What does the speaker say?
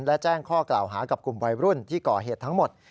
และแจ้งข้อกล่าวหากับกลุ่มวัยรุ่นที่ก่อเหตุทั้งหมด